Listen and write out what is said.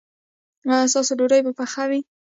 ایا ستاسو ډوډۍ به پخه وي؟